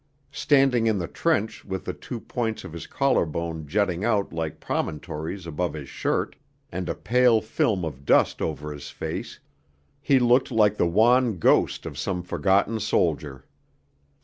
Standing in the trench with the two points of his collar bone jutting out like promontories above his shirt, and a pale film of dust over his face, he looked like the wan ghost of some forgotten soldier.